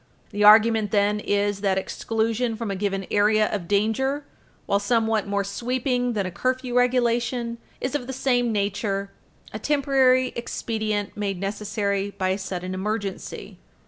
The argument, then, is that exclusion from a given area of danger, while somewhat more sweeping than a curfew regulation, is of the same nature a temporary expedient made necessary by a sudden emergency.